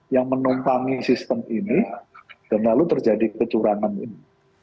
yang menumpangi sistem ini dan lalu terjadi kecurangan ini